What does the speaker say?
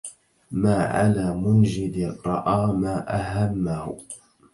ما على منجد رأى ما أهمه